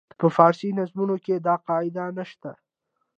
په فارسي نظمونو کې دا قاعده نه شته.